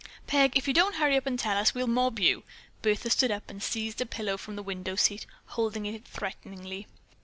"Peg, if you don't hurry and tell us, we'll mob you." Bertha stood up and seized a pillow from the window seat, holding it threateningly.